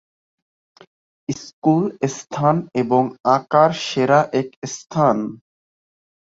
School স্থান এবং আকার সেরা এক স্থান।